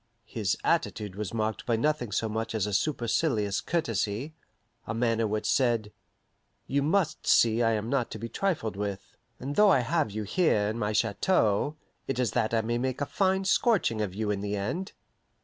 His attitude was marked by nothing so much as a supercilious courtesy, a manner which said, You must see I am not to be trifled with; and though I have you here in my chateau, it is that I may make a fine scorching of you in the end.